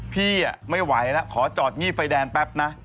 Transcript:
พี่ไม่ไหวแล้วขอจอดงีบไฟแดงแป๊บนะ